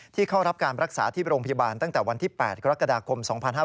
เข้ารับการรักษาที่โรงพยาบาลตั้งแต่วันที่๘กรกฎาคม๒๕๕๙